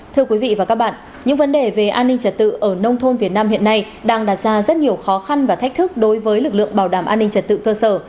thưa quý vị và các bạn những vấn đề về an ninh trật tự ở nông thôn việt nam hiện nay đang đặt ra rất nhiều khó khăn và thách thức đối với lực lượng bảo đảm an ninh trật tự cơ sở